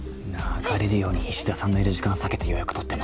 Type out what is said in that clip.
流れるように菱田さんのいる時間避けて予約取ってますよ。